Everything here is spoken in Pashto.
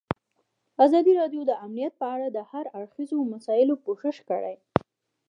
ازادي راډیو د امنیت په اړه د هر اړخیزو مسایلو پوښښ کړی.